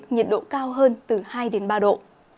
nhiệt độ cao hơn từ hai ba độ